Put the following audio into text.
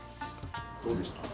どうでした？